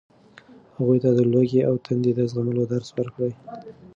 هغوی ته د لوږې او تندې د زغملو درس ورکړئ.